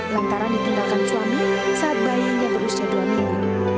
lantaran ditindakan suami saat bayinya baru sejauh dua minggu